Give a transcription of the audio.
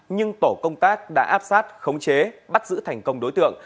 nhưng tổ công tác đã áp sát khống chế bắt giữ thành công đối tượng